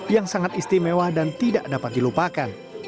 yang sangat istimewa dan tidak dapat dilupakan